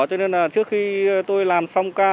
cho nên trước khi tôi làm xong ca